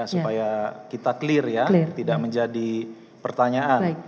supaya kita clear ya tidak menjadi pertanyaan